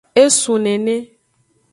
Esun nene.